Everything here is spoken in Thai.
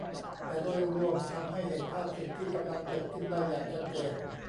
แต่โดยรวมทำให้เห็นภาพสิ่งที่กำลังเกิดขึ้นได้อย่างชัดเจน